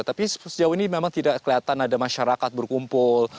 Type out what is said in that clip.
tapi sejauh ini memang tidak kelihatan ada masyarakat berkumpul